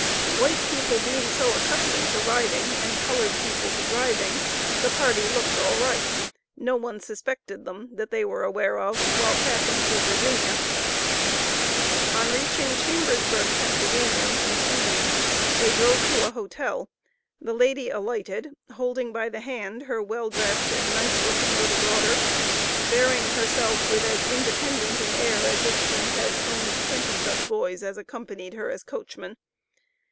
White people being so accustomed to riding, and colored people to driving, the party looked all right. No one suspected them, that they were aware of, while passing through Virginia. On reaching Chambersburg, Pa., in the evening, they drove to a hotel, the lady alighted, holding by the hand her well dressed and nice looking little daughter, bearing herself with as independent an air as if she had owned twenty such boys as accompanied her as coachman.